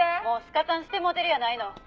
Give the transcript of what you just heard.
「もうスカタンしてもうてるやないの」